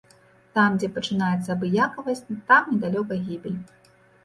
Там, дзе пачынаецца абыякавасць, там недалёка гібель.